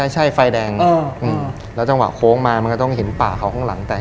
ใช่ไฟแดงแล้วจังหวะโค้งมามันก็ต้องเห็นป่าเขาข้างหลังแต่